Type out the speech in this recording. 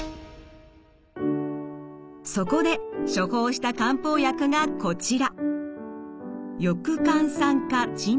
そこで処方した漢方薬がこちら。